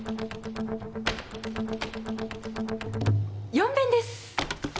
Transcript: ４弁です。